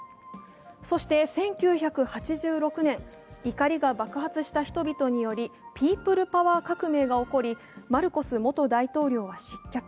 そして１９８６年、怒りが爆発した人々によりピープルパワー革命が起こり、マルコス元大統領は失脚。